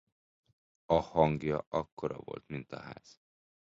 A hangja akkora volt mint a ház.